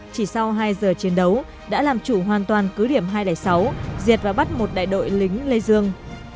chỉ sau hai giờ chiến đấu đã làm chủ hoàn toàn cứ điểm hai đại sáu diệt và bắt một đại đội lính lê dương